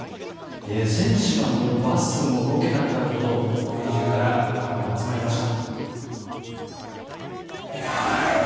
選手が乗るバスも動けなくなるほど国中からファンが集まりました。